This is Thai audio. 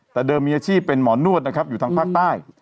แต่เดิมมีอาชีพเป็นหมอนวดนะครับอยู่ทางภาคใต้